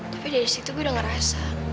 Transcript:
tapi dari situ gue udah ngerasa